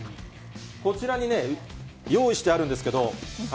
こちらにね、用意してあるんですけど。